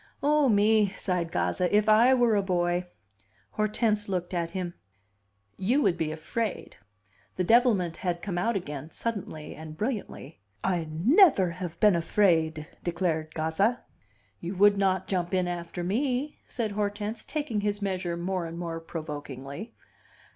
"Oh, me!" sighed Gazza. "If I were a boy!" Hortense looked at him. "You would be afraid." The devilment had come out again, suddenly and brilliantly: "I never have been afraid!" declared Gazza. "You would not jump in after me," said Hortense, taking his measure more and more provokingly.